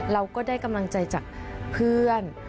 เราก็ได้กำลังใจจากเพื่อน